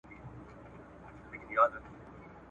زما چي ژوند په یاد دی د شېبو غوندي تیریږي ..